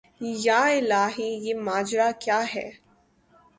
یا الٰہی یہ ماجرا کیا ہے